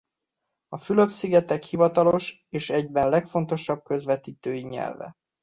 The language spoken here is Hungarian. A Fülöp-szigetek hivatalos és egyben legfontosabb közvetítő nyelve.